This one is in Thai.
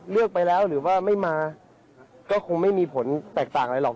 เลือกไปแล้วหรือว่าไม่มาก็คงไม่มีผลแตกต่างอะไรหรอก